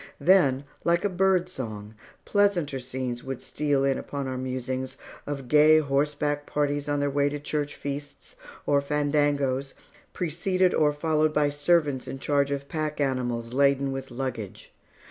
Then, like a bird song, pleasanter scenes would steal in upon our musings, of gay horseback parties on their way to church feasts, or fandangos, preceded or followed by servants in charge of pack animals laden with luggage.